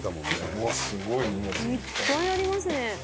いっぱいありますね。